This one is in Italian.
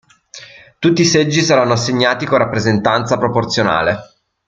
Tutti i seggi saranno assegnati con rappresentanza proporzionale.